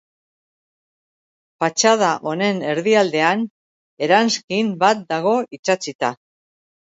Fatxada honen erdialdean eranskin bat dago itsatsita.